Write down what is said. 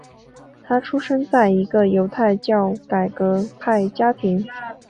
他出生在一个犹太教改革派家庭。